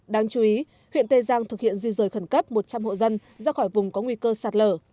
đáng chú ý huyện tây giang thực hiện di rời khẩn cấp một trăm linh hộ dân ra khỏi vùng có nguy cơ sạt lở